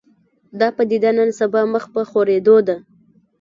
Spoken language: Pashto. دا پدیده نن سبا مخ په خورېدو ده